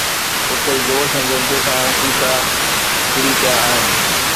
اُتي جوش ۽ جذبي سان شيشا ٽڙي پيا آهن